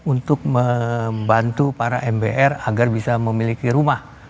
untuk membantu para mbr agar bisa memiliki rumah